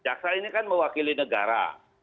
jaksa ini kan mewakili negara